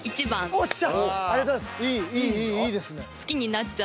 ［よっしゃ！］